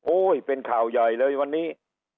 เป็นข่าวใหญ่เลยวันนี้